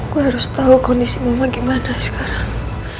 gue harus tahu kondisi mama gimana sekarang